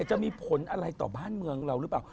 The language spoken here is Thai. จะมีผลอะไรต่อบ้านเมืองเราหรือเปล่า